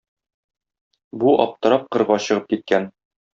Бу аптырап кырга чыгып киткән.